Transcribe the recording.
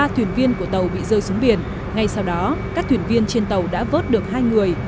ba thuyền viên của tàu bị rơi xuống biển ngay sau đó các thuyền viên trên tàu đã vớt được hai người